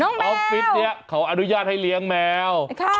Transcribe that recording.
ออฟฟิศนี้เขาอนุญาตให้เลี้ยงแมว